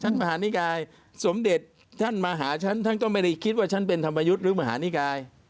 มหานิกายสมเด็จท่านมาหาฉันท่านก็ไม่ได้คิดว่าฉันเป็นธรรมยุทธ์หรือมหานิกาย